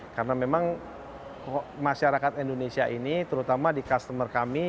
karena memang masyarakat indonesia ini terutama di customer kami